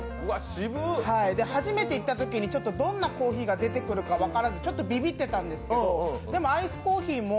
初めて行ったとき、どんなコーヒーが出てくるか分からずちょっとびびってたんですけど、でも、アイスコーヒーも